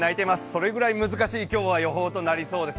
それぐらい難しい予報となりそうです。